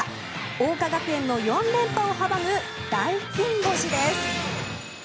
桜花学園の４連覇を阻む大金星です。